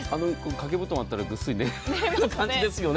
掛け布団があったらぐっすり寝れる感じですよね。